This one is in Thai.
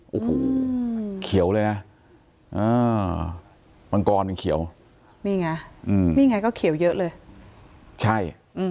โอ้โหเขียวเลยนะมังกรมันเขียวนี่ไงนี่ไงก็เขียวเยอะเลยใช่